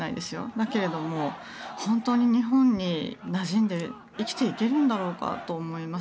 だけれど、本当に日本になじんで生きていけるんだろうかと思います。